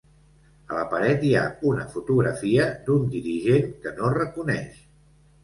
A la paret hi ha una fotografia d'un dirigent que no reconeix.